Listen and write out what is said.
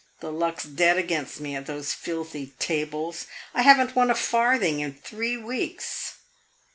The luck 's dead against me at those filthy tables; I have n't won a farthing in three weeks.